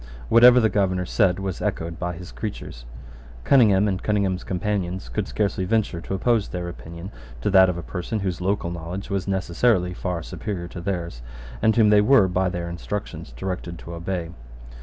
Whatever the Governor said was echoed by his creatures. Cunningham and Cunningham's companions could scarcely venture to oppose their opinion to that of a person whose local knowledge was necessarily far superior to theirs, and whom they were by their instructions directed to obey.